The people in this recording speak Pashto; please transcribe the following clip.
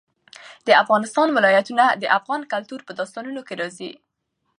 د افغانستان ولايتونه د افغان کلتور په داستانونو کې راځي.